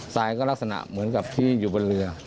ทรายก็ลักษณะเหมือนกับที่อยู่บนเรือ